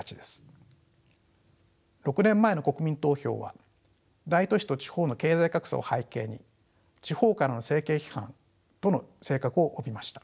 ６年前の国民投票は大都市と地方の経済格差を背景に地方からの政権批判との性格を帯びました。